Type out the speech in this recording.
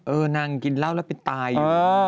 นางกินเหล้าแล้วไปตายอยู่